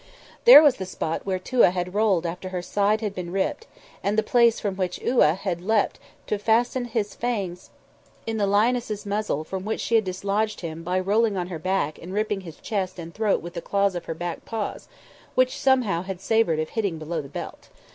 There was the spot where Touaa had rolled after her side had been ripped, and the place from which Iouaa had leapt to fasten his fangs in the lioness's muzzle from which she had dislodged him by rolling on her back and ripping his chest and throat with the claws of her back paws, which somehow had savoured of hitting below the belt.